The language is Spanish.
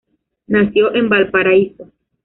Nació en Valparaíso.